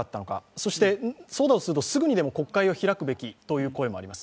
そして、そうだとするとすぐにでも国会を開くべきという声があります。